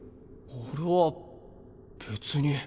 俺は別に。